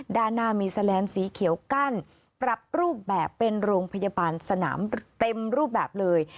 ด้านหน้ามีแสลนสีเขียวกั้นปรับรูปแบบเป็นโรงพยาบาลสนามเต็มรูปแบบเลย